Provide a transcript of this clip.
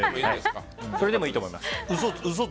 それでもいいと思います。